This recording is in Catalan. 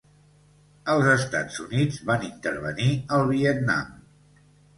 Els Estats Units van intervenir al Vietnam.